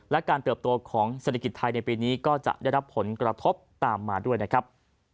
และการเติบโตของเศรษฐกิจไทยในปีนี้ก็จะได้รับผลกระทบตามมาด้วยนะครับ